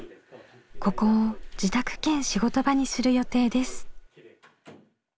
ここを自宅兼仕事場にする予定です。